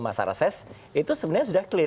masa reses itu sebenarnya sudah clear